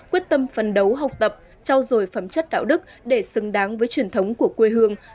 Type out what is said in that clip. quyết tâm phấn đấu học tập trao dồi phẩm chất đạo đức để xứng đáng với truyền thống của quê hương